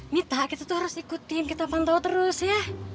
nita kita tuh harus ikutin kita pantau terus ya